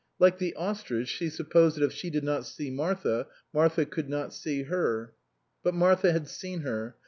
Like the ostrich she supposed that if she did not see Martha, Martha could not see her. But Martha had seen her.